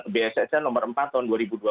bssn nomor empat tahun dua ribu dua puluh satu